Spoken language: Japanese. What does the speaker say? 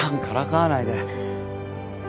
からかわないで。